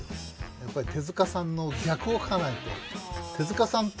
やっぱり手さんの逆を描かないと。